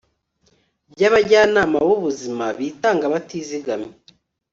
by'abajyanama b'ubuzima bitanga batizigamye